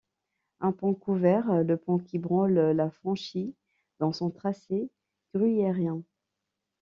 Un pont couvert, le Pont qui Branle, la franchit dans son tracé gruyérien.